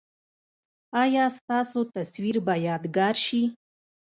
ایا ستاسو تصویر به یادګار شي؟